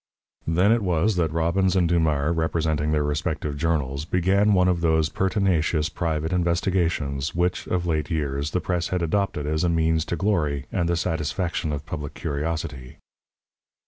Then it was that Robbins and Dumars, representing their respective journals, began one of those pertinacious private investigations which, of late years, the press has adopted as a means to glory and the satisfaction of public curiosity.